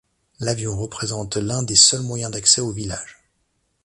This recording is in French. L'avion représente l'un des seuls moyens d'accès au village.